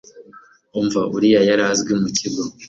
umva uriya yarazwi mukigo